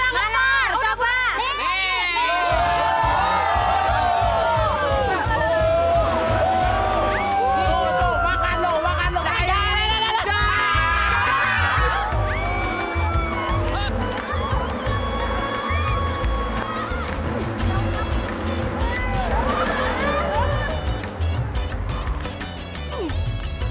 dan asal lu tau aja nih ya